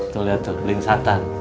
tuh lihat tuh beli satan